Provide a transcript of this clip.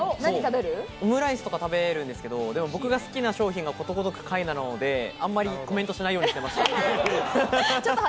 オムライスとか食べるんですけど、僕が好きな商品が、ことごとく下位なので、あんまりコメントしないようにしてました。